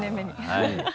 はい。